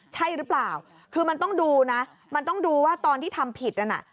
ใช่หรือเปล่าคือมันต้องดูนะมันต้องดูว่าตอนที่ทำผิดนั่นน่ะ